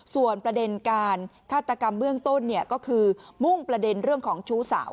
ส่วนประเด็นการฆาตกรรมเบื้องต้นก็คือมุ่งประเด็นเรื่องของชู้สาว